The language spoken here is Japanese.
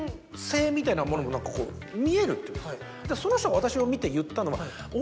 その人が私を見て言ったのは。